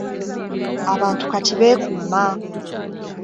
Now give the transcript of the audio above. Abantu kati beekuuma